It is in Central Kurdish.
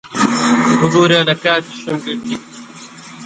ببوورە لە کاتیشم گرتی.